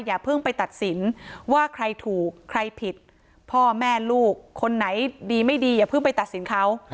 อย่าเพิ่งไปตัดสินว่าใครถูกใครผิดพ่อแม่ลูกคนไหนดีไม่ดีอย่าเพิ่งไปตัดสินเขา